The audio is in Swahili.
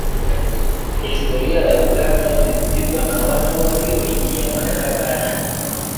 Historia ya Uganda imeghubikwa na watu walioingia madarakani